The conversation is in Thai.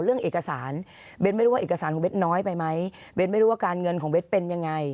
เรื่องเอกสารเบ้นไม่รู้ว่าเอกสารของเบสน้อยไปไหมเบ้นไม่รู้ว่าการเงินของเบสเป็นยังไง